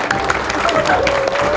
mama gak mau bantuin kamu